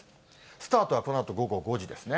スタートはこのあと午後５時ですね。